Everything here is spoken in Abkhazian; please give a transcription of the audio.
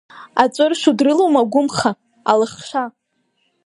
Аҵәы ыршо дрылоума агәымха, алахша?